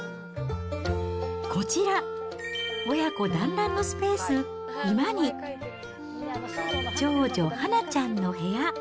こちら、親子団らんのスペース、居間に、長女、はなちゃんの部屋。